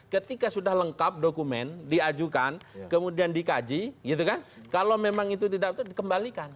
ketika sudah lengkap dokumen diajukan kemudian dikaji gitu kan kalau memang itu tidak dikembalikan